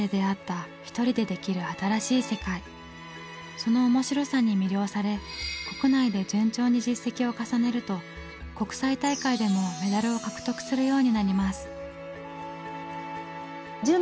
その面白さに魅了され国内で順調に実績を重ねると国際大会でもメダルを獲得するようになります。